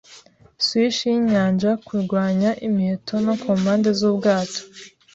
swish yinyanja kurwanya imiheto no kumpande zubwato.